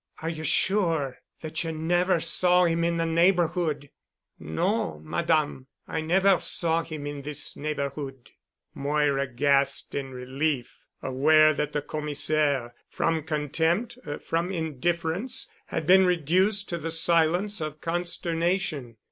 "Are you sure that you never saw him in the neighborhood?" "No, Madame. I never saw him in this neighborhood." Moira gasped in relief, aware that the Commissaire, from contempt, from indifference, had been reduced to the silence of consternation.